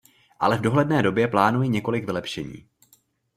Ale v dohledné době plánuji několik vylepšení.